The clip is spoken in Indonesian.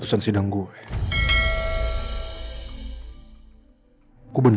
ini baru begini